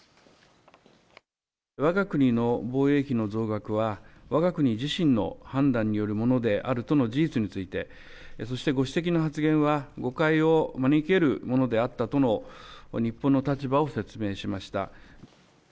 わが国の防衛費の増額は、わが国自身の判断によるものであるとの事実について、そしてご指摘の発言は、誤解を招き得るものであったとの日本の立場を説明しました。